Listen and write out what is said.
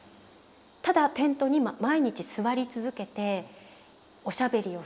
ただテントに毎日座り続けておしゃべりをするだけの生活。